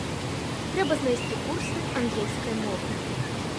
Трэба знайсці курсы ангельскай мовы.